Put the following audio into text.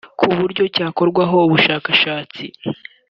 ku buryo cyakorwaho ubushakashatsi